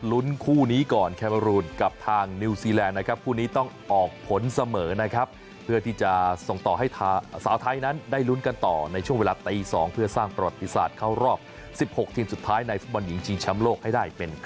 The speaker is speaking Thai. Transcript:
แล้วก็อยากเล่นให้ดีที่สุด